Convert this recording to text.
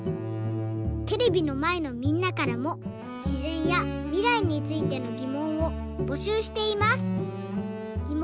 テレビのまえのみんなからもしぜんやみらいについてのぎもんをぼしゅうしています。